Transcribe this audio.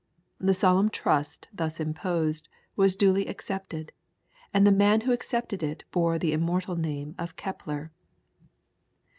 The solemn trust thus imposed was duly accepted, and the man who accepted it bore the immortal name of Kepler.